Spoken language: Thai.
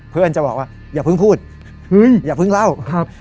เพื่อนจะบอกว่าอย่าเพิ่งพูดอย่าเพิ่งเล่าครับ